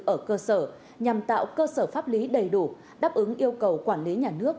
ở cơ sở nhằm tạo cơ sở pháp lý đầy đủ đáp ứng yêu cầu quản lý nhà nước